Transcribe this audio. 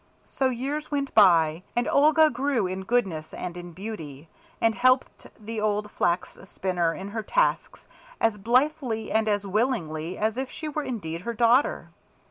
So years went by, and Olga grew in goodness and in beauty, and helped the old Flax spinner in her tasks as blithely and as willingly as if she were indeed her daughter.